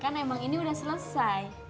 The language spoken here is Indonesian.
kan emang ini udah selesai